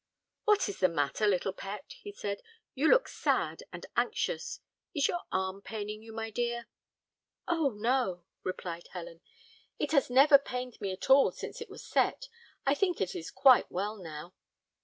"What is the matter, little pet?" he said. "You look sad and anxious. Is your arm paining you, my dear?" "Oh, no!" replied Helen; "it has never pained me at all since it was set. I think it is quite well now."